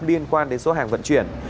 liên quan đến số hàng vận chuyển